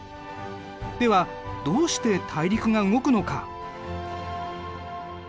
ではどうして大陸が動くのか？